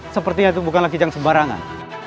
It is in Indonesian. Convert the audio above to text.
sepertinya itu bukanlah kijang sebarangan